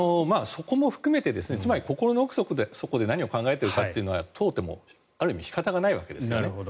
そこも含めてつまり、心の奥底で何を考えてるかというのは問うてもある意味仕方がないわけですね。